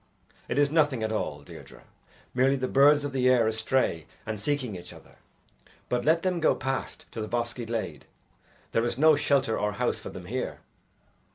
"It is nothing at all, Deirdre merely the birds of the air astray and seeking each other. But let them go past to the bosky glade. There is no shelter or house for them here."